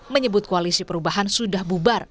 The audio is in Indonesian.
menyebut koalisi perubahan sudah bubar